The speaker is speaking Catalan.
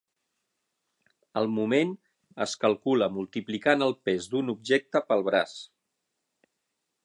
El moment es calcula multiplicant el pes d'un objecte pel braç.